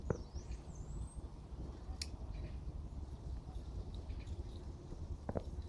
আজ এক বিচ্ছরের ওপর হয়ে গ্যালো, আজ দেবো কাল দেবো।